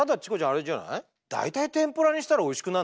あれじゃない？